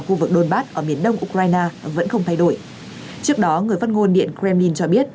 và khu vực đôn bát ở miền đông ukraine vẫn không thay đổi trước đó người phát ngôn điện kremlin cho biết